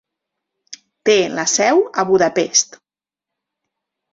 Té la seu a Budapest.